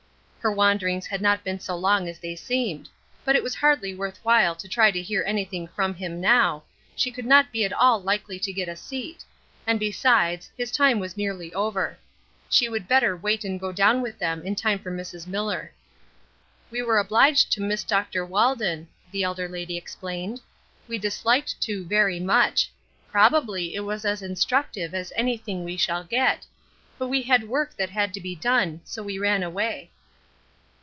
Her wanderings had not been so long as they seemed; but it was hardly worth while to try to hear anything from him now, she would not be at all likely to get a seat; and, besides, his time was nearly over. She would better wait and go down with them in time for Mrs. Miller. "We were obliged to miss Dr. Walden," the elder lady explained. "We disliked to very much; probably it was as instructive as anything we shall get; but we had work that had to be done, so we ran away."